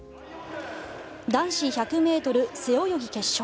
男子１００ｍ背泳ぎ決勝。